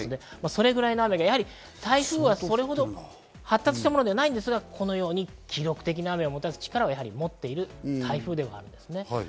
それぐらいの雨が台風はそれほど発達したものではないですが、このように記録的な雨をもたらす力を持っている台風です。